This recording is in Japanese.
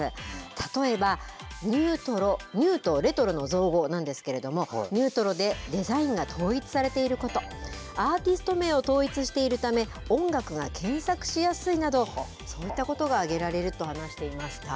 例えば、ニュートロ、ニューとレトロの造語なんですけれども、ニュートロでデザインが統一されていること、アーティスト名を統一しているため、音楽が検索しやすいなど、そういったことが挙げられると話していました。